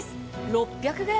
６００ｇ